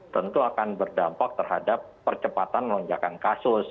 tentu akan berdampak terhadap percepatan lonjakan kasus